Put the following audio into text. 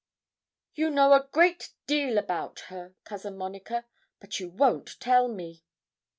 'You know a great deal about her, Cousin Monica, but you won't tell me.'